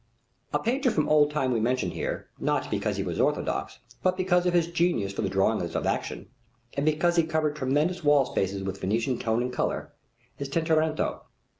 A painter from old time we mention here, not because he was orthodox, but because of his genius for the drawing of action, and because he covered tremendous wall spaces with Venetian tone and color, is Tintoretto.